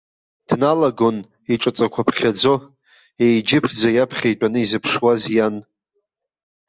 Дналагон, иҿаҵақәа ԥхьаӡо, еиџьыԥӡа иаԥхьа итәаны изыԥшуаз иан.